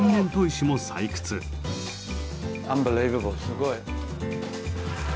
すごい。